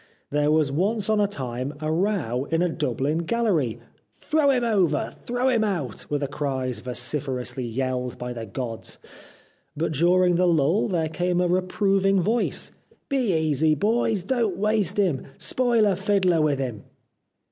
There was once on a time a row in a Dublin gallery. ' Throw him over ! Turn him out/ were the cries vociferously yelled by the gods. But dur ing the lull there came a reproving voice :' Be aisy bhoys ! Don't waste him. Spile a fiddler with him